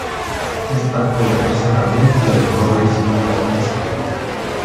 Esta fue la tercera película de Norris como la estrella.